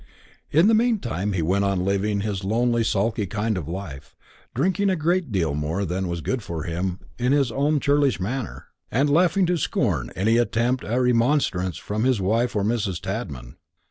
In the mean time he went on living his lonely sulky kind of life, drinking a great deal more than was good for him in his own churlish manner, and laughing to scorn any attempt at remonstrance from his wife or Mrs. Tadman.